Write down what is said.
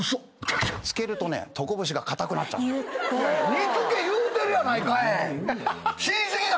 煮付け言うとるやないかい。